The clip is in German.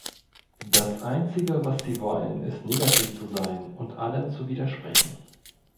Das einzige, was sie wollen, ist negativ zu sein und allem zu widersprechen.